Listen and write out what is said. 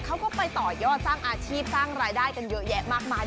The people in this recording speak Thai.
เขาก็ไปต่อยอดสร้างอาชีพสร้างรายได้กันเยอะแยะมากมาย